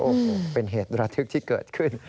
โอ้โหเป็นเหตุระทึกที่เกิดขึ้น